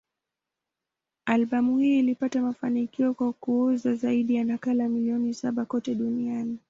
Albamu hii ilipata mafanikio kwa kuuza zaidi ya nakala milioni saba kote duniani.